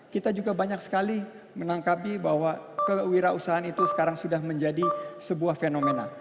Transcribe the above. kita juga banyak sekali menangkapi bahwa kewirausahaan itu sekarang sudah menjadi sebuah fenomena